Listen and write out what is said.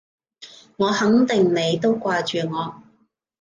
我肯定你都掛住我